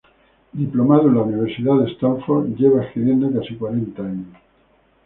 Diplomado en la Universidad de Stanford, lleva escribiendo casi cuarenta años.